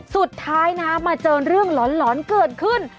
สุดท้ายนะมาเจอเรื่องหลอนเกิดขึ้น